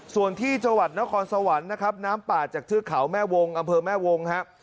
ส่วนที่จังหวัดนครสวรรค์นะครับน้ำป่าจากเทือกเขาแม่วงอำเภอแม่วงครับ